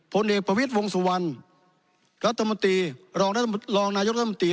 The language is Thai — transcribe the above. ผลเด็กประวิทธิ์วงศ์สุวรรณรองนายุทธิ์รัฐมนตรี